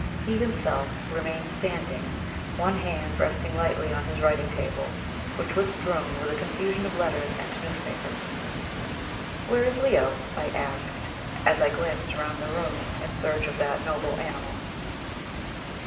He himself remained standing, one hand resting lightly on his writing table, which was strewn with a confusion of letters and newspapers. "Where is Leo?" I asked, as I glanced round the room in search of that noble animal.